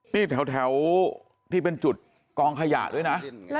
นี่แถวที่เป็นจุดกองขยะด้วยนะ